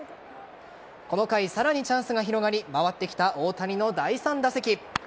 この回、さらにチャンスが広がり回ってきた大谷の第３打席。